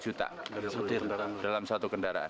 tiga puluh juta dalam satu kendaraan